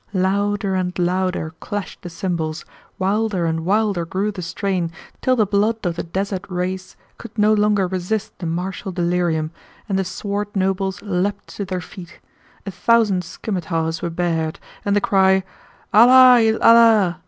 Louder and louder clashed the cymbals, wilder and wilder grew the strain, till the blood of the desert race could no longer resist the martial delirium, and the swart nobles leaped to their feet; a thousand scimetars were bared, and the cry, "Allah il Allah!"